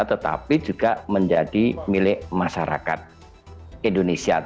tetapi juga menjadi milik masyarakat indonesia